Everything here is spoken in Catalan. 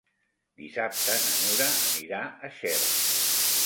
Dissabte na Nura anirà a Xert.